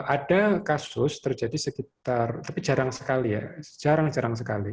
ada kasus terjadi sekitar tapi jarang sekali ya jarang jarang sekali